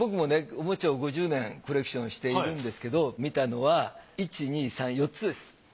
おもちゃを５０年コレクションしているんですけど見たのは１２３４つです。